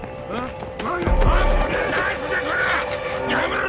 やめろ！